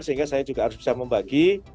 sehingga saya juga harus bisa membagi